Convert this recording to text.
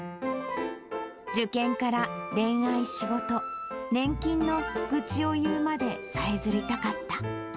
受験から恋愛、仕事、年金の愚痴を言うまでさえずりたかった。